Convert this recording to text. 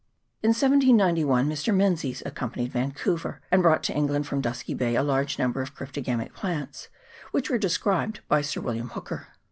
In 1791 Mr. Menzies accompanied Vancouver, and brought to England from Dusky Bay a large number of cryptogamic plants, which were described by Sir William Hooker.